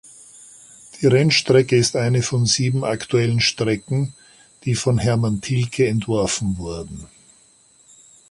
Die Rennstrecke ist eine von sieben aktuellen Strecken, die von Hermann Tilke entworfen wurden.